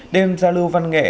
đêm giao lưu văn nghệ